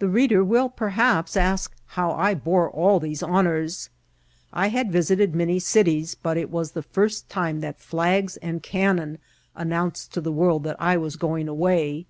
The reader will perhaps ask how I bore all these honours. I had visited many cities, but it was the first time that flags and cannon announced to the world that I was going away.